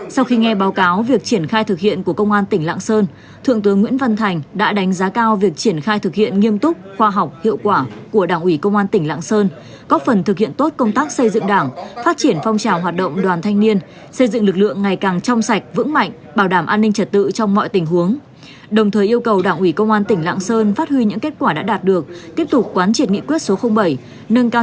sau khi nghe báo cáo việc triển khai thực hiện của công an tỉnh lạng sơn thượng tướng nguyễn văn thành đã đánh giá cao việc triển khai thực hiện nghiêm túc khoa học hiệu quả của đảng ủy công an tỉnh lạng sơn góp phần thực hiện tốt công tác xây dựng đảng phát triển phong trào hoạt động đoàn thanh niên xây dựng lực lượng ngày càng trong sạch vững mạnh bảo đảm an ninh trật tự trong mọi tình huống đồng thời yêu cầu đảng ủy công an tỉnh lạng sơn phát huy những kết quả đã đạt được tiếp tục quán triệt nghị quyết số bảy nâng ca